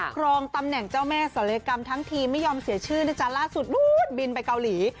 ครองตำแหน่งเจ้าแม่ศัลยกรรมทั้งทีไม่ยอมเสียชื่อนะจ๊ะล่าสุดนู้นบินไปเกาหลี